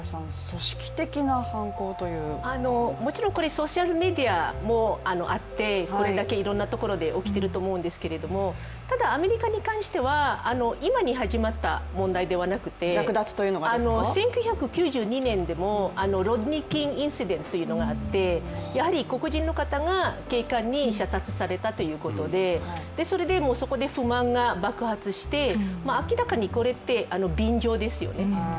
もちろんこれソーシャルメディアもあってこれだけいろんなところで起きてると思うんですけどただ、アメリカに関しては今に始まった問題ではなくて、１９９２年でもあって、黒人の方が警官に射殺されたということでそれでそこで不満が爆発して明らかにこれって便乗ですよね。